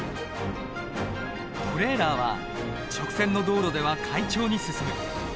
トレーラーは直線の道路では快調に進む。